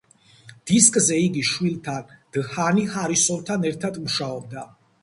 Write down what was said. დისკზე იგი შვილთან, დჰანი ჰარისონთან ერთად მუშაობდა.